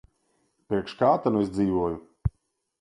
Priekš kā ta nu es dzīvoju.